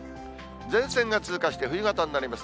前線が通過して、冬型になります。